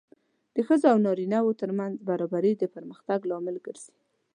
د ښځو او نارینه وو ترمنځ برابري د پرمختګ لامل ګرځي.